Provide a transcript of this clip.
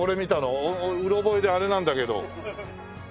うろ覚えであれなんだけど。